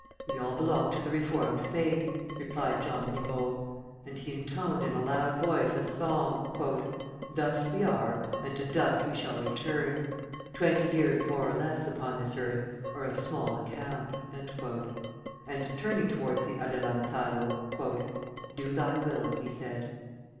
"We all belong to the Reformed faith," replied John Ribaut; and he intoned in a loud voice a psalm: "Dust we are, and to dust we shall return; twenty years more or less upon this earth are of small account;" and, turning towards the adelantado, "Do thy will," he said.